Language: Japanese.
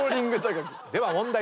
では問題